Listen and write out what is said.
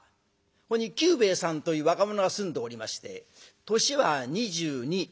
ここに久兵衛さんという若者が住んでおりまして年は２２。